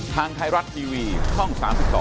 ทางไทยรัฐทีวีช่อง๓๒